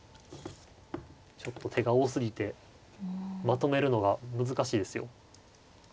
ちょっと手が多すぎてまとめるのが難しいですよ。